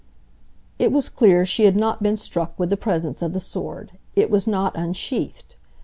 It was clear she had not been struck with the presence of the sword,—it was not unsheathed.